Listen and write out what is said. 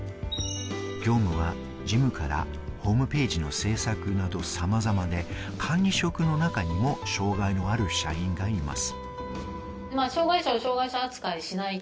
業務は事務からホームページの制作など、さまざまで管理職の中にも障害のある社員がいます。